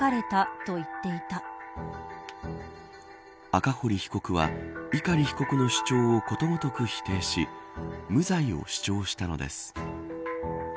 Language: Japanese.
赤堀被告は碇被告の主張をことごとく否定し無罪を主張したのです。